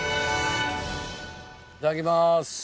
いただきます。